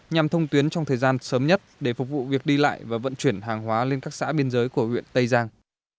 nhằm thông tuyến trong thời gian sớm nhất để phục vụ việc đi lại và vận chuyển hàng hóa lên các xã biên giới của huyện tây giang